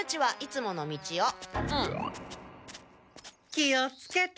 気をつけて！